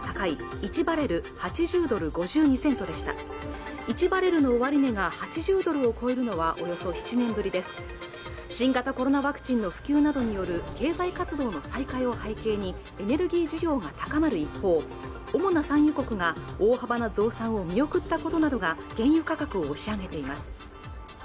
１バレルの終値が８０ドルを超えるのはおよそ７年ぶりです新型コロナワクチンの普及などによる経済活動の再開を背景にエネルギー需要が高まる一方主な産油国が大幅な増産を見送ったことなどが原油価格を押し上げています